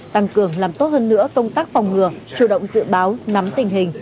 tăng cường làm tốt hơn nữa công tác phòng ngừa chủ động dự báo nắm tình hình